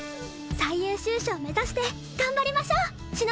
最優秀賞目指して頑張りましょう篠崎さん！